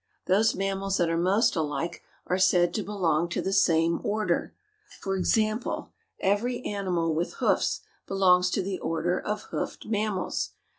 Those mammals that are most alike are said to belong to the same order. For example, every animal with hoofs belongs to the Order of Hoofed Mammals.